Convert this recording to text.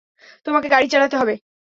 তোমাকে গাড়ি চালাতে হবে।